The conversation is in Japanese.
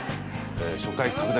初回拡大